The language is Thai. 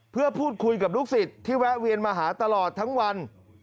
เพื่อพูดคุยกับลูกศิษย์ที่แวะเวียนมาหาตลอดทั้งวัน